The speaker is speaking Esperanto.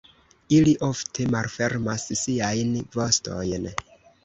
Ili ofte malfermas siajn vostojn.